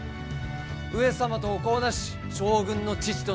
上様とお子をなし将軍の父となる。